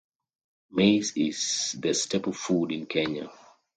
Maize is the staple food in Kenya.